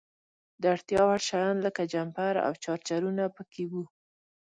د اړتیا وړ شیان لکه جمپر او چارجرونه په کې وو.